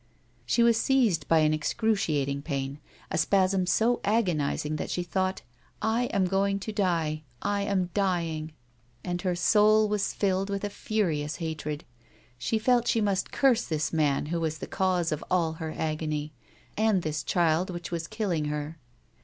She was seized by an excruciating pain, a spasm so agonis ing that she thought, " I am going to die ! I am dying !" 126 A WOMAN'S LIFE. And her soul was filled with a furious hatred; she felt she must curse this man who was the cause of all her agony, and this child which was killing her.